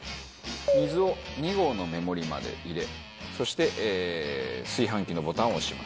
水を２合の目盛りまで入れそして炊飯器のボタンを押します。